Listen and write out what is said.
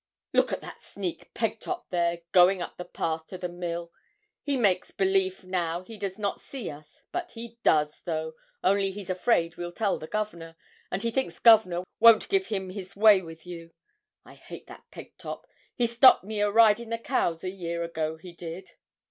'Look at that sneak, Pegtop, there, going up the path to the mill. He makes belief now he does not see us; but he does, though, only he's afraid we'll tell the Governor, and he thinks Governor won't give him his way with you. I hate that Pegtop: he stopped me o' riding the cows a year ago, he did.'